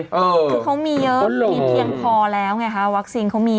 คือเขามีเยอะมีเพียงพอแล้วไงคะวัคซีนเขามี